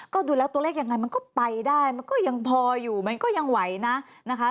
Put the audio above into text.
ก็ดูแล้วตัวเลขยังไงมันก็ไปได้มันก็ยังพออยู่มันก็ยังไหวนะนะคะ